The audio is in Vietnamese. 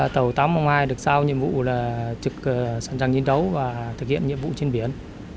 tàu tám nghìn hai được sao nhiệm vụ là trực sẵn sàng chiến đấu và thực hiện nhiệm vụ trên biển